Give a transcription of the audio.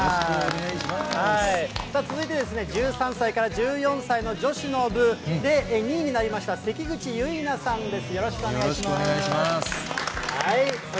さあ、続いて、１３歳から１４歳の女子の部で２位になりました、関口結菜さんです。